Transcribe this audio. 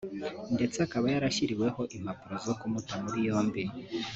ndetse akaba yarashyiriweho impapuro zo kumuta muri yombi